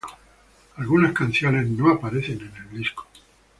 Algunas canciones no aparecen en el disco.